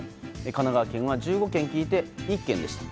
神奈川県は１５軒聞いて１軒でした。